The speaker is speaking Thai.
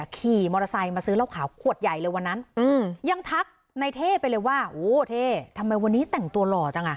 ขี่มอเตอร์ไซค์มาซื้อเหล้าขาวขวดใหญ่เลยวันนั้นยังทักในเท่ไปเลยว่าโอ้เท่ทำไมวันนี้แต่งตัวหล่อจังอ่ะ